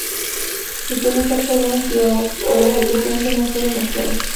Se suele usar carbón activado, pero su eficacia no está demostrada.